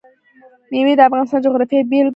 مېوې د افغانستان د جغرافیې بېلګه ده.